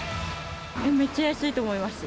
めっちゃ安いと思います。